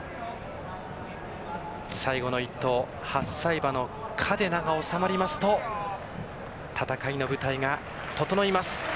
最後の一頭、８歳馬のカデナが収まりますと戦いの舞台が整います。